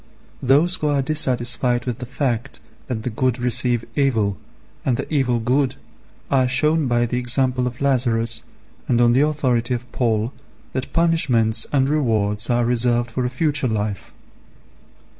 Those who are dissatisfied with the fact that the good receive evil, and the evil good, are shown by the example of Lazarus, and on the authority of Paul, that punishments and rewards are reserved for a future life.